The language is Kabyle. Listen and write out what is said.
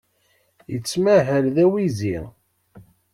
Yettmahal d awizi.